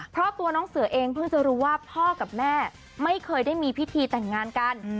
เพราะตัวน้องเสือเองเพิ่งจะรู้ว่าพ่อกับแม่ไม่เคยได้มีพิธีแต่งงานกัน